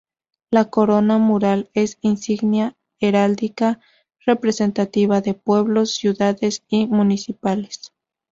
La corona mural es insignia heráldica representativa de pueblos, ciudades y municipales.